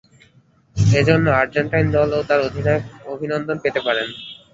এ জন্য আর্জেন্টাইন দল ও তার অধিনায়ক অভিনন্দন পেতে পারেন।